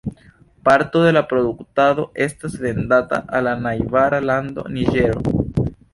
Parto de la produktado estas vendata al la najbara lando Niĝero.